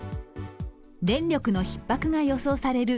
電力のひっ迫が予想される